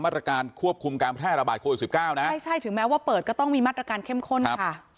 ตรการควบคุมการแพร่ระบาดโควิดสิบเก้านะไม่ใช่ถึงแม้ว่าเปิดก็ต้องมีมาตรการเข้มข้นค่ะ